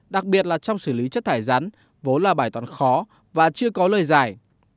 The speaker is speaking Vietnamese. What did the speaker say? đặc biệt là trong xử lý chất thải rắn vốn là bài toán khó và chưa có lời giải